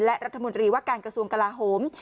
และรัฐมนตรีว่าการกระทรวงกลาโหม